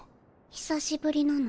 久しぶりなの。